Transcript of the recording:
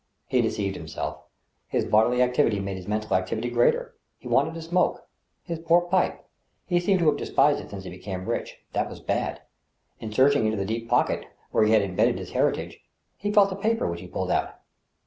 He deceived himself ; his bodily activity made his mental activity greater. He wanted to smoke. His poor pipe! He seemed to have despised it since he became rich. That was bad. In searching into the deep pocket, where he had imbedded his heritage, he felt a paper which he pulled out.